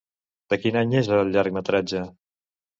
De quin any és el llargmetratge?